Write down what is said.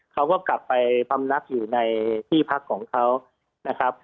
เขาก็กลับปรำนักอยู่ในปีแฮชภาคของเขานะครับ